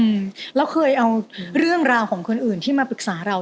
อืมแล้วเคยเอาเรื่องราวของคนอื่นที่มาปรึกษาเรา